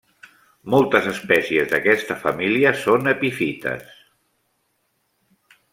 Moltes espècies d'aquesta família són epífites.